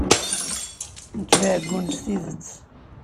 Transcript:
Nekk d aɛeggun s tidet.